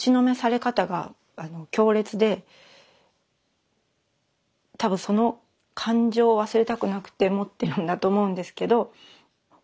その多分その感情を忘れたくなくて持ってるんだと思うんですけど。